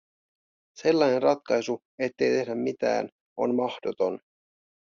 Sellainen ratkaisu, ettei tehdä mitään, on mahdoton.